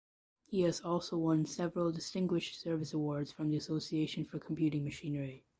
He has also won several distinguished service awards from the Association for Computing Machinery.